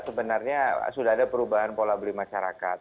sebenarnya sudah ada perubahan pola beli masyarakat